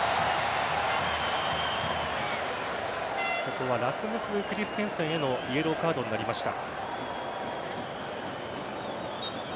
ここはラスムス・クリステンセンへのイエローカードになりました。